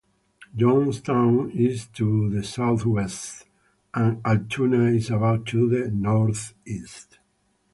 Johnstown is to the southwest, and Altoona is about to the northeast.